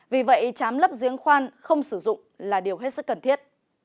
vì vậy chám lấp giếng khoan không sử dụng là điều hết sức cần thiết